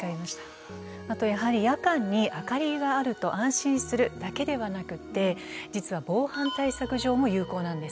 あとやはり夜間に明かりがあると安心するだけではなくて実は防犯対策上も有効なんですね。